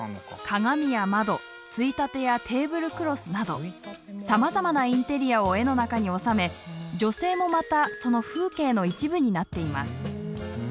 鏡や窓ついたてやテーブルクロスなどさまざまなインテリアを絵の中におさめ女性もまたその風景の一部になっています。